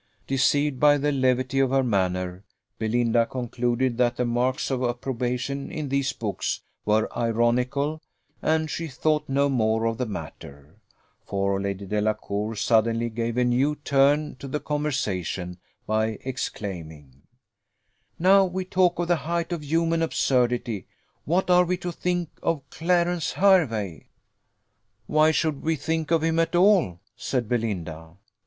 Deceived by the levity of her manner, Belinda concluded that the marks of approbation in these books were ironical, and she thought no more of the matter; for Lady Delacour suddenly gave a new turn to the conversation by exclaiming, "Now we talk of the height of human absurdity, what are we to think of Clarence Hervey?" "Why should we think of him at all?" said Belinda.